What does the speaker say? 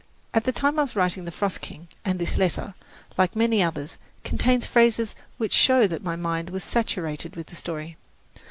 At the time I was writing "The Frost King," and this letter, like many others, contains phrases which show that my mind was saturated with the story.